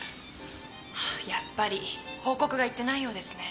やっぱり報告がいってないようですね。